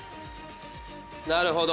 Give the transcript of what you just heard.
なるほど。